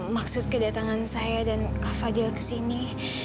maksud kedatangan saya dan kak fadil ke sini